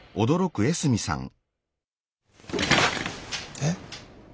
えっ？